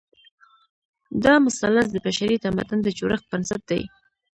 دا مثلث د بشري تمدن د جوړښت بنسټ دی.